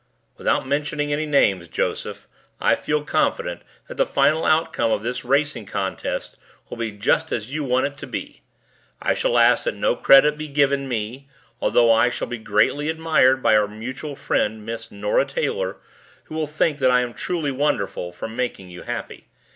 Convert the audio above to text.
"Without mentioning any names, Joseph, I feel confident that the final outcome of this racing contest will be just as you want it to be. I shall ask that no credit be given me, although I shall be greatly admired by our mutual friend Miss Nora Taylor who will think that I am truly wonderful for making you happy.